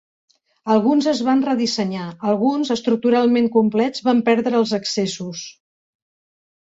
Alguns es van redissenyar; alguns, estructuralment complets, van perdre els "excessos".